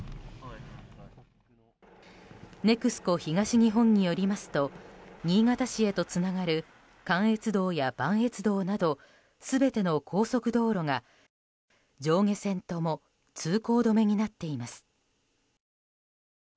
ＮＥＸＣＯ東日本によりますと新潟市へとつながる関越道や磐越道など全ての高速道路が上下線とも通行止めになっています。